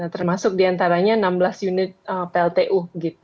termasuk diantaranya enam belas unit pltu